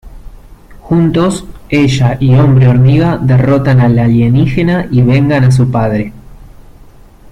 Juntos, ella y Hombre Hormiga derrotan al alienígena y vengan a su padre.